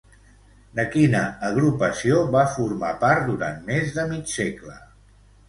De quina agrupació va formar part durant més de mig segle?